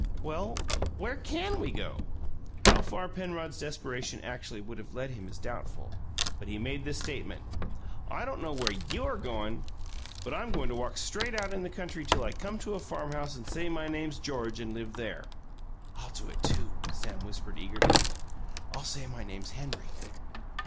"Well, where CAN we go?" How far Penrod's desperation actually would have led him is doubtful; but he made this statement: "I don't know where YOU'RE goin', but I'M goin' to walk straight out in the country till I come to a farmhouse and say my name's George and live there!" "I'll do it, too," Sam whispered eagerly. "I'll say my name's Henry."